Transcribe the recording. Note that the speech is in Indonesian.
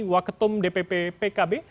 wak ketum dpp pkb